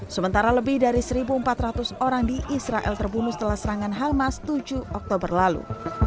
sementara lebih dari satu empat ratus orang di israel terbunuh setelah serangan hamas tujuh oktober lalu